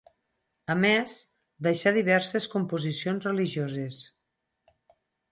A més, deixà diverses composicions religioses.